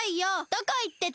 どこいってたの？